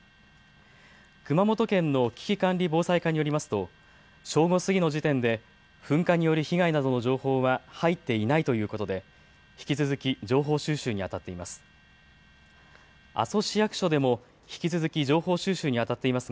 熊本県の危機管理防災課によりますと正午過ぎの時点で噴火による被害などの情報は入っていないということで引き続き情報収集にあたっています。